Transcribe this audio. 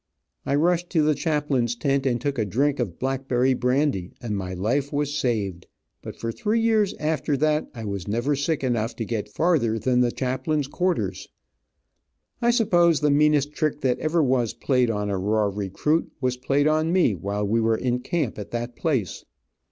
I rushed to the chaplain's tent and took a drink of blackberry brandy, and my life was saved, but for three years after that I was never sick enough to get farther than the chaplain's quarters. [Illustration: Great Caesar's ghost how it did taste 049] I suppose the meanest trick that was ever played on a raw recruit, was played on me while we were in camp at that place.